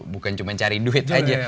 bukan cuma cari duit aja